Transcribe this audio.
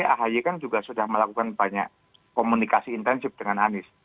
ahy kan juga sudah melakukan banyak komunikasi intensif dengan anies